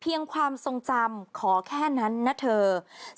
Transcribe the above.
เพียงความทรงจำขอแค่นั้นนะเถอะ